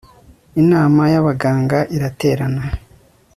inama y'abaganga iraterana